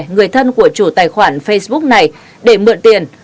người thân của chủ tài khoản facebook này để mượn tiền